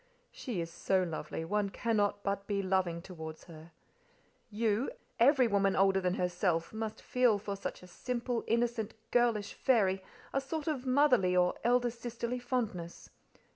"She is so lovely, one cannot but be loving towards her. You—every woman older than herself, must feel for such a simple, innocent, girlish fairy a sort of motherly or elder sisterly fondness.